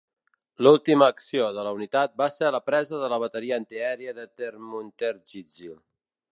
L'última acció de la unitat va ser la presa de la bateria antiaèria de Termunterzijl.